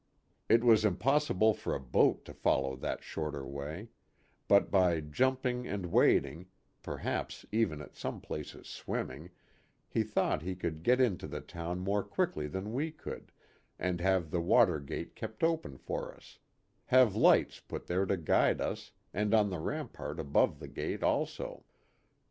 It was impossible for a boat to follow that shorter way ; but by jumping and wading perhaps even at some places s\\imming he thought he could get into the town more quickly than we could, and have the water gate kept open for us; have lights put there to guide us, and on the rampart above the gate also.